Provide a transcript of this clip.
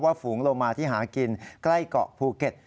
ฝูงโลมาที่หากินใกล้เกาะภูเก็ต